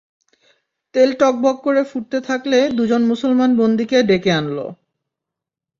তেল টগবগ করে ফুটতে থাকলে দুজন মুসলমান বন্দীকে ডেকে আনল।